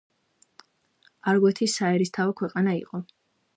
არგვეთი საერისთავო ქვეყანა იყო.